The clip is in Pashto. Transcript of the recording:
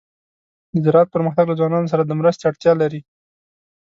د زراعت پرمختګ له ځوانانو سره د مرستې اړتیا لري.